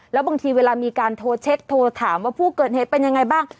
แล้วบางทีเวลามีการโทรเช็คโทรถามว่าผู้เกิดเหตุเป็นยังไงบ้าง